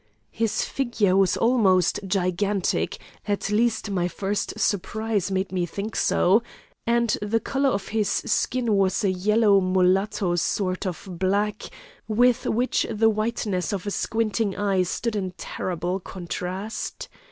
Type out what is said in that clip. His figure was almost gigantic at least my first surprise made me think so and the colour of his skin was a yellow mulatto sort of black, with which the whiteness of a squinting eye stood in terrible contrast.